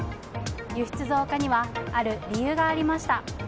輸出増加にはある理由がありました。